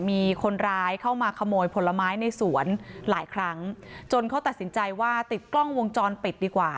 มีคนร้ายเข้ามาขโมยผลไม้ในสวนหลายครั้งจนเขาตัดสินใจว่าติดกล้องวงจรปิดดีกว่า